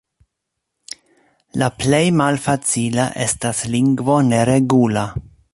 La plej malfacila estas lingvo neregula.